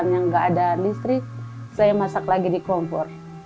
yang nggak ada listrik saya masak lagi di kompor